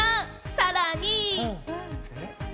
さらに。